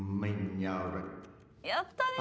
やったね。